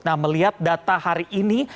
nah melihat data hari ini